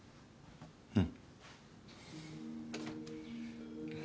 うん。